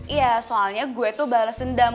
iya soalnya gue tuh bales dendam